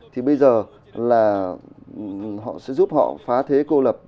thì bây giờ là họ sẽ giúp họ phá thế cô lập